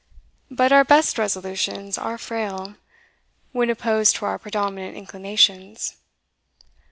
But our best resolutions are frail, when opposed to our predominant inclinations.